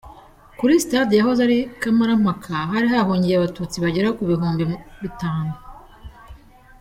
Kuri stade yahoze ari Kamarampaka hari hahungiye Abatutsi bagera ku bihumbi bitanu.